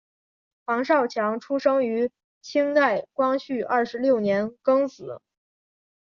黄少强出生于清代光绪二十六年庚子。